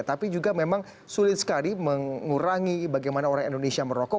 tapi juga memang sulit sekali mengurangi bagaimana orang indonesia merokok